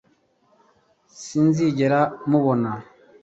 sinzigera mubona